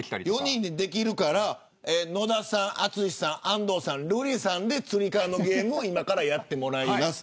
４人でできるから野田さん淳さん、安藤さん、瑠麗さんでつり革のゲームを今からやってもらいます。